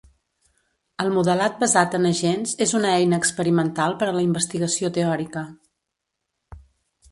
El modelat basat en agents és una eina experimental per a la investigació teòrica.